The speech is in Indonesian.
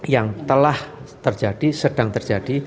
yang telah terjadi sedang terjadi